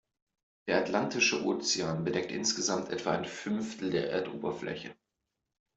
Der Atlantische Ozean bedeckt insgesamt etwa ein Fünftel der Erdoberfläche.